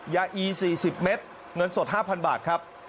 อี๔๐เม็ดเงินสด๕๐๐บาทครับ